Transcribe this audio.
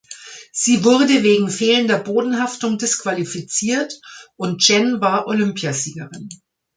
Sie wurde wegen fehlender Bodenhaftung disqualifiziert, und Chen war Olympiasiegerin.